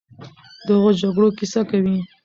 د هغو جګړو کیسه کوي،